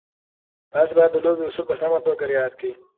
تاسو باید د لوبې اصول په سمه توګه رعایت کړئ.